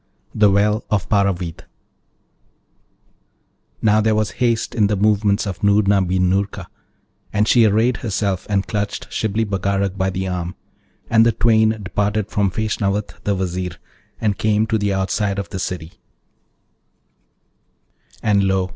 THE WELL OF PARAVID Now, there was haste in the movements of Noorna bin Noorka, and she arrayed herself and clutched Shibli Bagarag by the arm, and the twain departed from Feshnavat the Vizier, and came to the outside of the city, and lo!